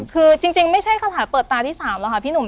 คือจริงไม่ใช่คาถาเปิดตาที่๓แล้วค่ะพี่หนุ่ม